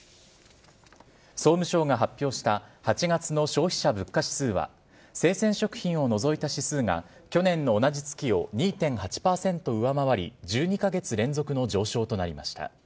総務省が発表した８月の消費者物価指数は、生鮮食品を除いた指数が去年の同じ月を２．８％上回り、１２か月連続の上昇となりました。